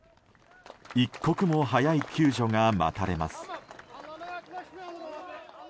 一刻も早い救助が待たれます。